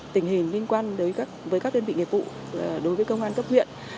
tình hình liên quan với các đơn vị nghiệp vụ đối với công an cấp huyện